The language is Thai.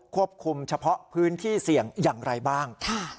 ควบคุมเฉพาะพื้นที่เสี่ยงอย่างอะไรบ้าง